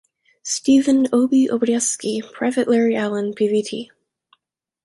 Stephan "Obi" Obrieski, Private Larry Allen, Pvt.